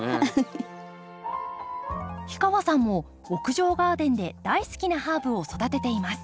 氷川さんも屋上ガーデンで大好きなハーブを育てています。